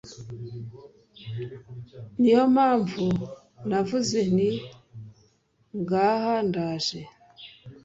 ni yo mpamvu navuze nti ngaha ndaje